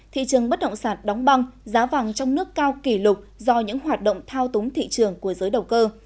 thị trường bất động sản đóng băng giá vàng trong nước cao kỷ lục do những hoạt động thao túng thị trường của giới đầu cơ